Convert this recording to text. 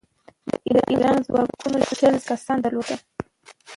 د ایران ځواکونو شل زره کسان درلودل.